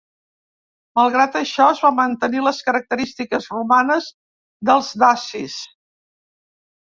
Malgrat això, es van mantenir les característiques romanes dels dacis.